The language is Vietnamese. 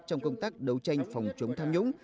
trong công tác đấu tranh phòng chống tham nhũng